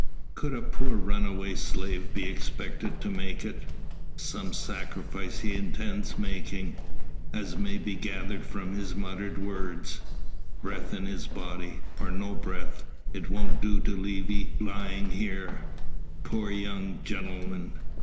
Could a poor runaway slave be expected to make it? Some sacrifice he intends making, as may be gathered from his muttered words: "Breath in his body, or no breath, it won't do to leave it lyin' here. Poor young gen'leman!